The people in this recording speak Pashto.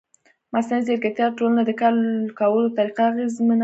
مصنوعي ځیرکتیا د ټولنې د کار کولو طریقه اغېزمنوي.